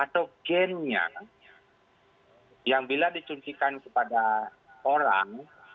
vaksinnya yang bila dicuntikan kepada orang